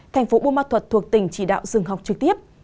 thành phố buôn ma thuật thuộc tỉnh chỉ đạo dừng học trực tiếp